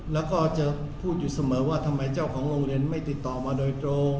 แล้วก็จะพูดอยู่เสมอว่าทำไมเจ้าของโรงเรียนไม่ติดต่อมาโดยตรง